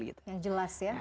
yang jelas ya